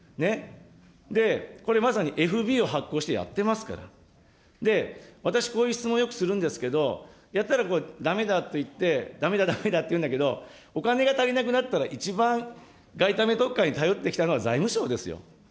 これまさにＦＢを発行してやってますから、私、こういう質問をよくするんですけど、やったらこれだめだといって、だめだだめだというんだけれども、お金が足りなくなったら、一番外為特会に頼ってきたのは財務省ですよ。